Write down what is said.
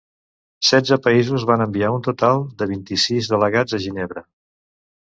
Setze països van enviar un total de vint-i-sis delegats a Ginebra.